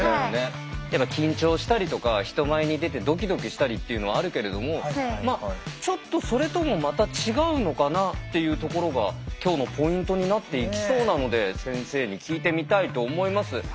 やっぱ緊張したりとか人前に出てドキドキしたりっていうのはあるけれどもちょっとそれともまた違うのかなっていうところが今日のポイントになっていきそうなので先生に聞いてみたいと思います。